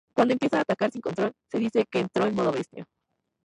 Cuando empieza a atacar sin control, se dice que entró en modo bestia.